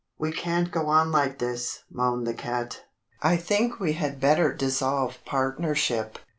"We can't go on like this," moaned the cat. "I think we had better dissolve partnership.